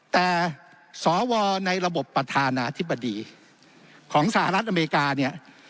แต่สวในระบบประธานาธิบดีของสหรัฐอเมริกาเนี่ย